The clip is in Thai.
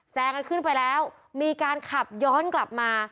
แซงกันขึ้นไปแล้วมีการขับย้อนกลับมา